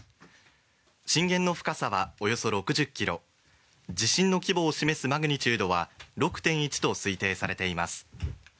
震源の深さはおよそ６０ｋｍ、地震の規模を示すマグニチュードは６．１と推定されています。